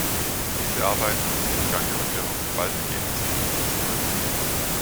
Diese Arbeiten sind im Gange und wir hoffen, bald Ergebnisse liefern zu können.